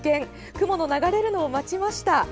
雲の流れるのを待ちました。